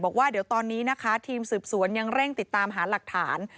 บอกว่าเดี๋ยวตอนนี้นะคะทีมสืบสวนยังเร่งติดตามหาหลักฐาน